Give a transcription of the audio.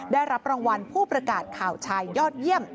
ได้รับรางวัลผู้ประกาศข่าวชายยอดเยี่ยม